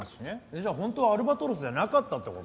じゃあホントはアルバトロスじゃなかったって事？